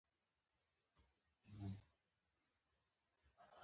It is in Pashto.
په لومړیو کې یوازې سیاسي اړخ درلود